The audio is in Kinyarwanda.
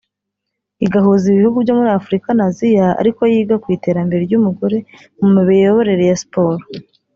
igahuza ibihugu byo muri Afurika n’Aziya ariko yiga ku iterambere ry’umugore mu miyoborere ya Siporo